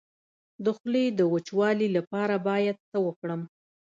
د خولې د وچوالي لپاره باید څه وکړم؟